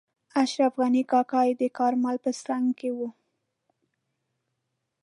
اشرف غني کاکا یې د کارمل په څنګ کې وو.